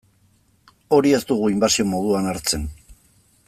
Hori ez dugu inbasio moduan hartzen.